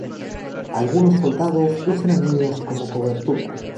Algunos soldados usan a niños como cobertura.